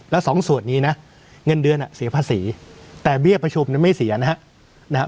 แล้วสองส่วนนี้นะเงินเดือนเสียภาษีแต่เบี้ยประชุมไม่เสียนะครับ